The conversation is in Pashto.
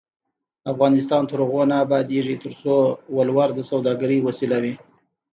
افغانستان تر هغو نه ابادیږي، ترڅو ولور د سوداګرۍ وسیله وي.